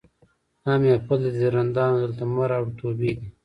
دا محفل دی د رندانو دلته مه راوړه توبې دي